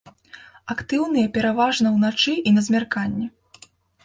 Актыўныя пераважна ўначы і на змярканні.